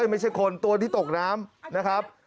ไม่ใช่คนตัวที่ตกน้ำ